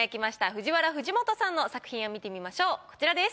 ＦＵＪＩＷＡＲＡ・藤本さんの作品を見てみましょうこちらです。